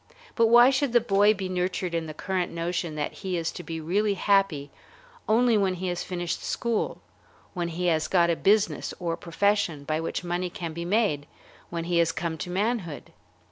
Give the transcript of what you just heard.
But why should the boy be nurtured in the current notion that he is to be really happy only when he has finished school, when he has got a business or profession by which money can be made, when he has come to manhood?